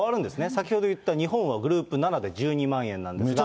先ほど言った日本はグループ７で１２万円なんですが。